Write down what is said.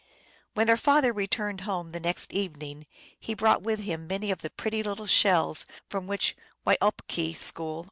When their father returned home the next evening he brought with him many of the pretty little shells from which weiopeskool (M.)